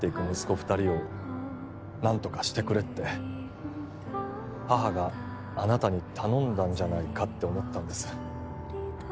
二人を何とかしてくれって母があなたに頼んだんじゃないかって思ったんです